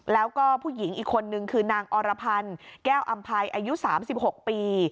แล้วก็ผู้หญิงอีกคนนึงคือนางอรพันธ์แก้วอำภัยอายุ๓๖ปี